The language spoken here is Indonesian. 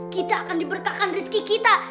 kita akan diberkahkan rizki kita